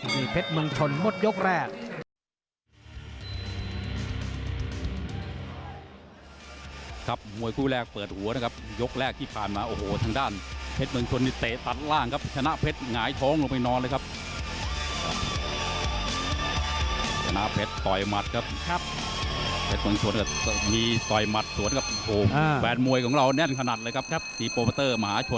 นี่เพชรเมืองชนหมดยกแรก